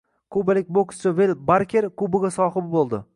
Kubalik bokschi Vel Barker kubogi sohibi bo‘lding